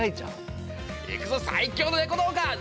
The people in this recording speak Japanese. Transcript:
いくぞ最強のネコ動画！